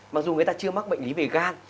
mặc dù người ta chưa mắc bệnh lý về gan